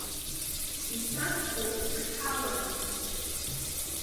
Исазҳәо ушҳалам.